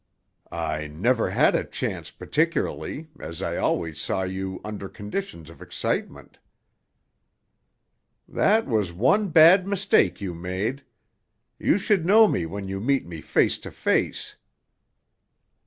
"I never had a chance particularly, as I always saw you under conditions of excitement." "That was one bad mistake you made. You should know me when you meet me face to face."